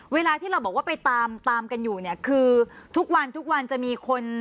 เวลาที่เราบอกว่าไปตามตามกันอยู่เนี่ยคือทุกวันทุกวันจะมีคน